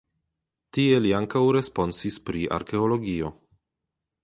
Tie li ankaŭ responsis pri arkeologio.